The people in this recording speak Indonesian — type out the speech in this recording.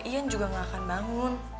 ian juga gak akan bangun